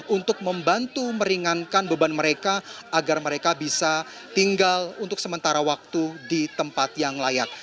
untuk membantu meringankan beban mereka agar mereka bisa tinggal untuk sementara waktu di tempat yang layak